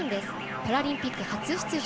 パラリンピック初出場。